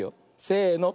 せの。